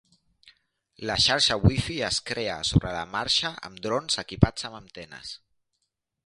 La xarxa wifi es crea sobre la marxa amb drones equipats amb antenes.